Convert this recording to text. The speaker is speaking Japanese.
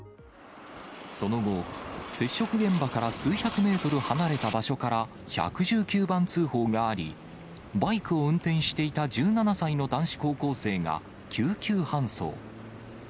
その後、接触現場から数百メートル離れた場所から１１９番通報があり、バイクを運転していた１７歳の男子高校生が救急搬送。